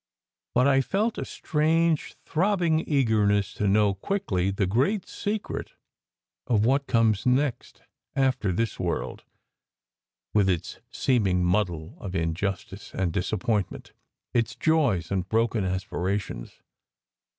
But I felt a strange, throbbing eagerness to know quickly the great secret of what comes next after this world, with its seeming muddle of injustice and disappointment, its joys and broken aspirations.